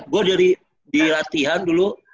gue di latihan dulu